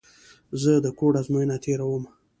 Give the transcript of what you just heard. زه د کوډ ازموینه تېره ووم.